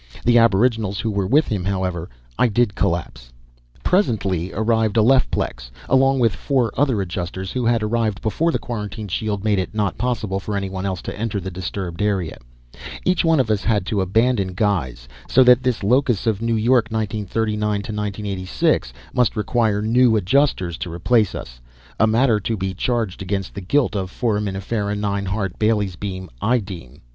The aboriginals who were with him, however, I did collapse. Presently arrived Alephplex, along with four other Adjusters who had arrived before the quarantine shield made it not possible for anyone else to enter the disturbed area. Each one of us had had to abandon guise, so that this locus of Newyork 1939 1986 must require new Adjusters to replace us a matter to be charged against the guilt of Foraminifera 9 Hart Bailey's Beam, I deem.